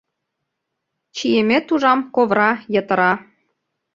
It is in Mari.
Чиемет, ужам, ковра, йытыра.